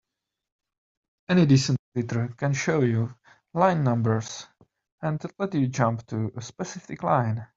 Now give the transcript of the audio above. Any decent editor can show you line numbers and let you jump to a specific line.